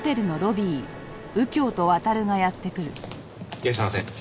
いらっしゃいませ。